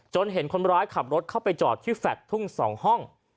เห็นคนร้ายขับรถเข้าไปจอดที่แฟลต์ทุ่ง๒ห้อง